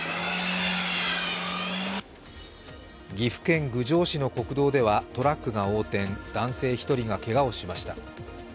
岐阜県郡上市の国道ではトラックが横転、男性１人がけがをしました。